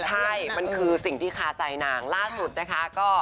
ใช่มันคือสิ่งที่คาใจนางล่าสุดนะคะ